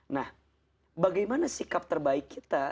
nah bagaimana sikap terbaik kita